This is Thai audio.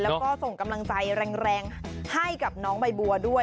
แล้วก็ส่งกำลังใจแรงให้กับน้องใบบัวด้วย